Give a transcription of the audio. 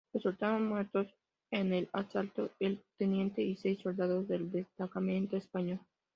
Resultaron muertos en el asalto el teniente y seis soldados del destacamento español.